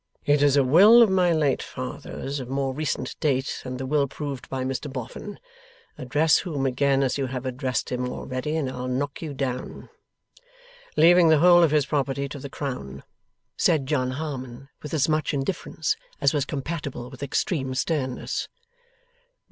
'It is a will of my late father's, of more recent date than the will proved by Mr Boffin (address whom again, as you have addressed him already, and I'll knock you down), leaving the whole of his property to the Crown,' said John Harmon, with as much indifference as was compatible with extreme sternness.